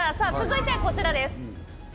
続いてはこちらです。